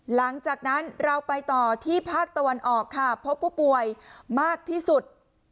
หลังจากนั้นเราไปต่อที่ภาคตะวันออกค่ะพบผู้ป่วยมากที่สุด